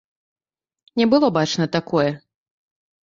Не было бачна такое.